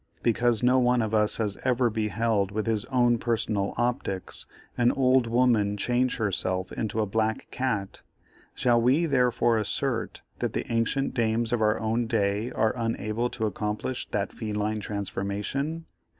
Because no one of us has ever beheld with his own personal optics, an old woman change herself into a black cat, shall we therefore assert that the ancient dames of our own day are unable to accomplish that feline transformation?